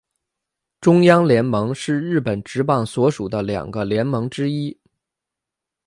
中央联盟是日本职棒所属的两个联盟之一。